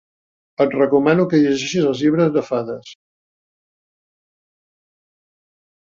Et recomano que llegeixis els llibres de fades.